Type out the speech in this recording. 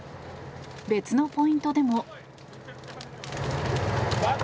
別のポイントでも。